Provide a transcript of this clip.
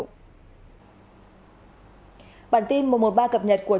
giờ nên không bao giờ mất được